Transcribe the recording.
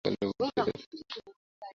ইংরেজি গল্পের বই দেদার পড়িতে লাগিলাম।